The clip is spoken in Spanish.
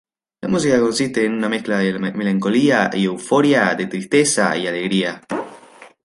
La música consiste en una mezcla de melancolía y euforia, de tristeza y alegría.